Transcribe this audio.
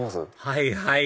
はいはい！